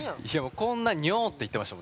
こんなにょって言ってましたよ？